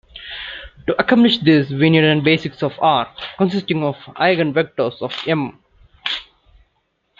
To accomplish this, we need a basis of R consisting of eigenvectors of "M".